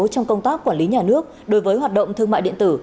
trong công tác quản lý nhà nước đối với hoạt động thương mại điện tử